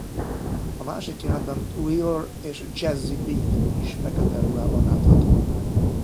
A másik jelenetben Wheeler és Jazzie B is fekete ruhában látható.